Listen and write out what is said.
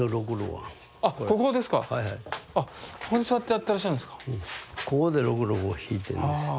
ここでろくろを引いてます。